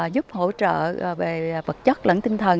giúp hỗ trợ về vật chất lẫn tinh thần